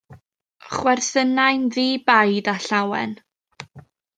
Chwerthynai'n ddi-baid a llawen.